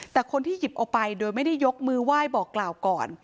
แต่คนที่หยิบเอาไปโดยไม่ได้ยกมือไหว้บอกกล่าวก่อน